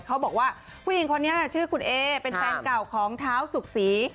เขาบอกว่าผู้หญิงคนนี้ชื่อคุณเอเป็นแฟนเก่าของเท้าสุขศรี